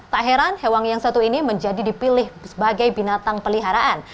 tak heran hewan yang satu ini menjadi dipilih sebagai binatang peliharaan